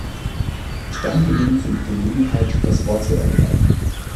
Ich danke Ihnen für die Gelegenheit, das Wort zu ergreifen.